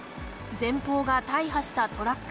前方が大破したトラック。